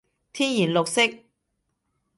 天然綠色